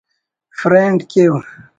فرائینڈ کیو